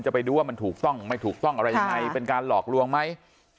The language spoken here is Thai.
จะไปดูว่ามันถูกต้องไม่ถูกต้องเป็นการหลอกลวงไหม